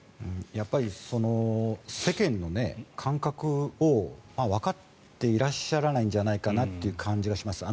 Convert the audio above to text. やっぱり世間の感覚をわかっていらっしゃらないんじゃないかなという感じがします。